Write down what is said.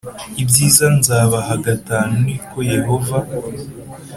Ibyiza nzabaha v ni ko yehova